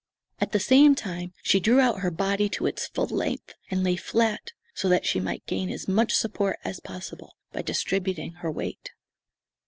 At the same time she drew out her body to its full length, and lay flat, so that she might gain as much support as possible by distributing her weight.